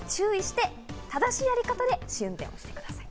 正しいやり方で試運転をしてください。